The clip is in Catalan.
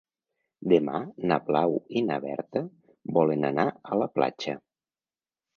Demà na Blau i na Berta volen anar a la platja.